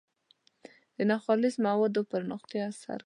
ناخالص مواد پر نقطې اثر کوي.